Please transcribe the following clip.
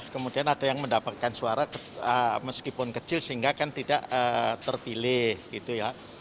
kemudian ada yang mendapatkan suara meskipun kecil sehingga kan tidak terpilih gitu ya